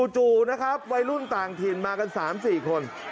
จู่นะครับวัยรุ่นต่างถิ่นมากัน๓๔คน